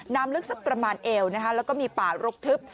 น้ำลึกสักประมาณเอวนะคะแล้วก็มีป่ารกทึบ